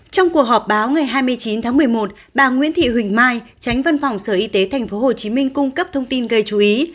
trong cuộc họp báo ngày hai mươi chín tháng một mươi một bà nguyễn thị huỳnh mai tránh văn phòng sở y tế tp hcm cung cấp thông tin gây chú ý